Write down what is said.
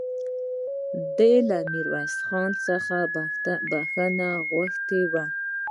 ده له ميرويس خان څخه بخښنه غوښتې وه